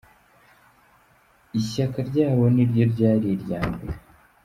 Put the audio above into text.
Ishyaka ryabo niryo ryari irya mbere.